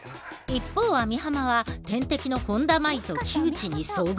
一方網浜は天敵の本田麻衣と木内に遭遇。